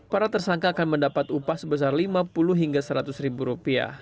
para tersangka akan mendapat upah sebesar rp lima puluh hingga seratus ribu rupiah